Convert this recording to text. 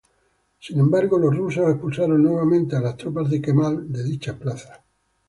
Sin embargo, los rusos expulsaron nuevamente a las tropas de Kemal de dichas plazas.